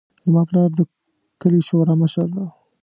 زما پلار د کلي د شورا مشر ده